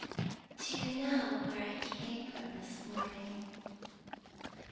"Do you know where I came from this morning?"